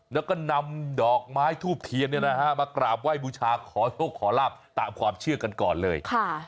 แล้วก็นำดอกไม้ทูบเทียนมากราบไหว้บูชาขอโชคขอลาบตามความเชื่อกันก่อนเลย